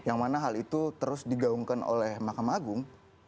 yang mana hal itu terus digaungkan oleh mahkamah agung